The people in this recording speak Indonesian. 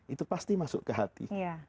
itu pasti masuk ke hati